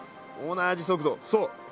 同じ速度そう。